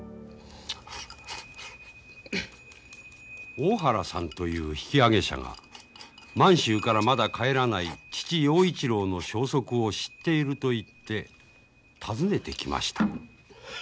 大原さんという引き揚げ者が満州からまだ帰らない父陽一郎の消息を知っていると言って訪ねてきました。